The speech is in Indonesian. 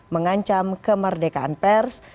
mengancam kemerdekaan pers